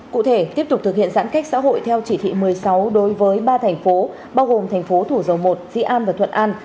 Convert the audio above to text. cụ thể tiếp tục thực hiện giãn cách xã hội theo chỉ thị một mươi sáu đối với ba thành phố bao gồm thành phố thủ dầu một dĩ an và thuận an